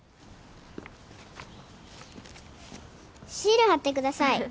シール貼ってください。